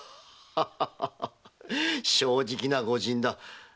正直な御仁だ。